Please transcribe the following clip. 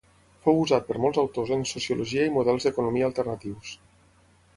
Fou usat per molts autors en sociologia i models d'economia alternatius.